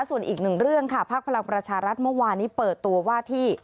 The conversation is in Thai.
ส่วนอีกหนึ่งเรื่องค่ะภาคพลังประชารัฐเมื่อวานนี้เปิดตัวว่าที่